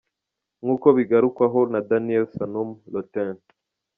Nkuko bigarukwaho na Daniel Sannum Lauten.